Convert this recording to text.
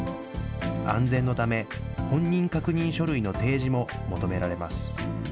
安全のため、本人確認書類の提示も求められます。